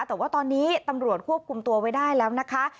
แต่ว่าตอนนี้ตำรวจควบคุมตัวไว้ได้แล้วนะคะ